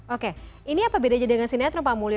oke ini apa bedanya dengan sinetron pak mulyo